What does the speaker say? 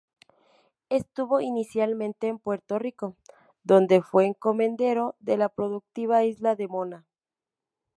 Estuvo inicialmente en Puerto Rico, donde fue encomendero de la productiva isla de Mona.